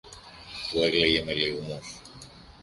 που έκλαιγε με λυγμούς.